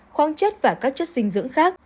khoáng chất và các chất dinh dưỡng khác